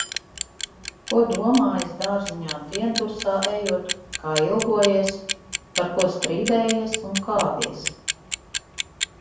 Ko domājis, dārziņā diendusā ejot, kā ilgojies. Par ko strīdējies un kāvies.